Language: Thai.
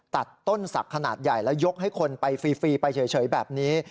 ตัดต้นศักดิ์ขนาดใหญ่แล้วยกให้คนไปฟรีไปเฉยแบบนี้